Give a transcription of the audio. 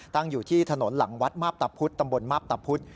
อยู่ที่ถนนหลังวัดมาพตะพุธตำบลมาพตะพุธ